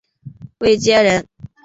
卫玠人。